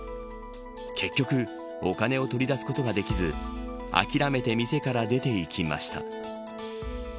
結局、お金を取り出すことができず諦めて店から出て行きました。